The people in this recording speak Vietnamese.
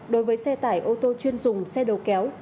đối với xe tải ô tô chuyên dùng xe đầu kéo